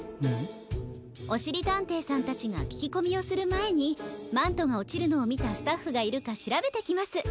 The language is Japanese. おしりたんていさんたちがききこみをするまえにマントがおちるのをみたスタッフがいるかしらべてきます。